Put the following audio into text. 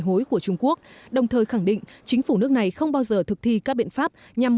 hối của trung quốc đồng thời khẳng định chính phủ nước này không bao giờ thực thi các biện pháp nhằm